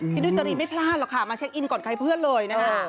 นุจรีไม่พลาดหรอกค่ะมาเช็คอินก่อนใครเพื่อนเลยนะคะ